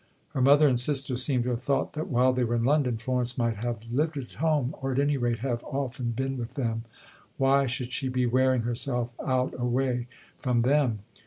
Her mother and sister seem to have thought that while they were in London Florence might have lived at home, or, at any rate, have often been with them. Why should she be wearing herself out away from them?